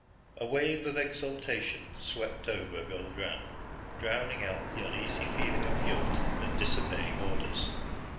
A wave of exultation swept over Guldran, drowning out the uneasy feeling of guilt at disobeying orders.